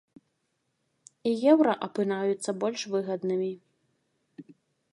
І еўра апынаюцца больш выгаднымі!